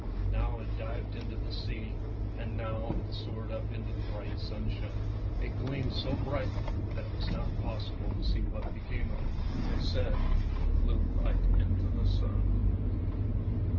Now it dived into the sea, and now it soared up into the bright sunshine. It gleamed so brightly that it was not possible to see what became of it; they said it flew right into the sun.